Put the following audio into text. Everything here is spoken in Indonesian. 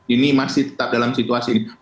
ini masih tetap dalam situasi ini